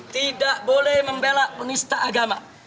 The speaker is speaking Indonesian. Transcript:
tidak boleh membela penista agama